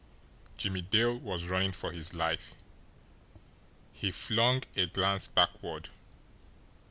Jimmie Dale was running for his life. He flung a glance backward.